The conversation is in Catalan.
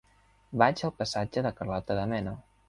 Vaig al passatge de Carlota de Mena.